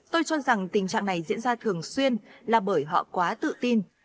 tôi cho rằng tình trạng này diễn ra thường xuyên là bởi họ quá tự tin